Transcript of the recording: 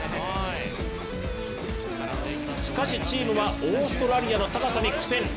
しかし、チームはオーストラリアの高さに苦戦。